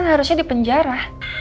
lo kan harusnya di penjara